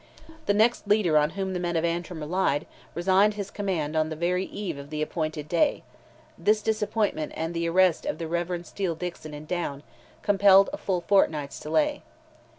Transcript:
The next leader on whom the men of Antrim relied, resigned his command on the very eve of the appointed day; this disappointment and the arrest of the Rev. Steele Dickson in Down, compelled a full fortnight's delay.